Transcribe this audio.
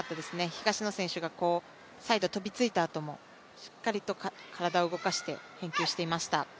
東野選手がサイド飛びついたあともしっかりと、体を動かして返球していました。